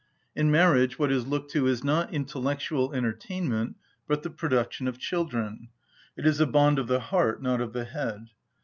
In marriage what is looked to is not intellectual entertainment, but the production of children: it is a bond of the heart, not of the head.